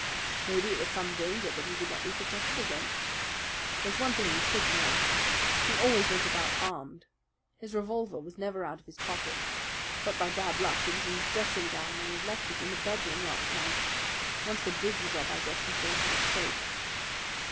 "Maybe it was some danger that he could not be protected against. There's one thing you should know. He always went about armed. His revolver was never out of his pocket. But, by bad luck, he was in his dressing gown and had left it in the bedroom last night. Once the bridge was up, I guess he thought he was safe."